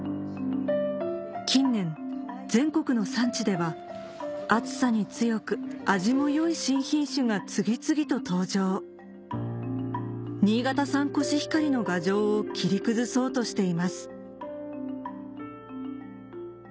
近年全国の産地では暑さに強く味も良い新品種が次々と登場新潟産コシヒカリの牙城を切り崩そうとしています